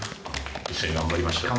一緒に頑張りましょう。